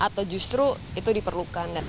atau justru itu diperlukan